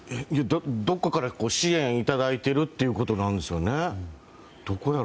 どこかから支援をいただいているということなんですかね。